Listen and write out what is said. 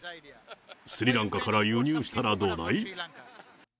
スリランカから輸入したらどうだい？